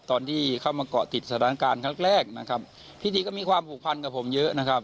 ตอนที่เข้ามาเกาะติดสถานการณ์ครั้งแรกนะครับพิธีก็มีความผูกพันกับผมเยอะนะครับ